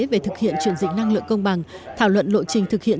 về thực hiện chuyển dịch năng lượng công bằng thảo luận lộ trình thực hiện